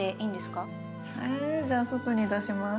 じゃあ外に出します。